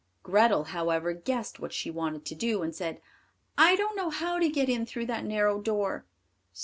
Grethel, however, guessed what she wanted to do, and said, "I don't know how to get in through that narrow door."